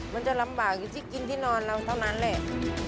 มันจะลำบากอยู่ที่กินที่นอนเราเท่านั้นแหละ